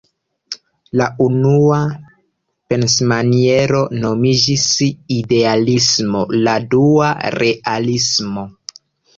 La unua pensmaniero nomiĝis "Idealismo", la dua "Realismo".